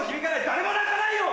誰も泣かないよ！